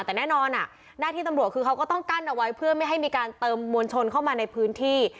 แต่แน่นอนหน้าที่ตำรวจคือเขาก็ต้องกั้นเอาไว้เพื่อไม่ให้มีการเติมมวลชนเข้ามาในพื้นที่